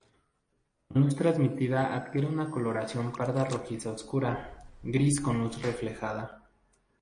Con luz transmitida adquiere una coloración parda rojiza oscura, gris con luz reflejada.